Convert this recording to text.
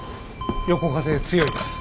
横風強いです。